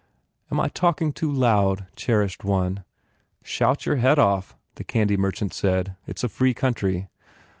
"Am I talking too loud, cherished one?" "Shout your head off," the candy merchant said, "It s a free country."